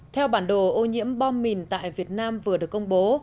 theo bản đồ ô nhiễm bom mìn tại việt nam vừa được công bố